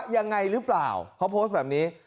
ยังไงหรือเปล่าเขาโพสต์แบบนี้